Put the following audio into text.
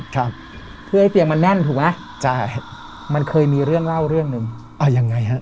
ครับเพื่อให้เตียงมันแน่นถูกไหมใช่มันเคยมีเรื่องเล่าเรื่องหนึ่งเอายังไงฮะ